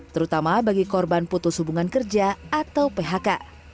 terutama bagi korban putus hubungan kerja atau phk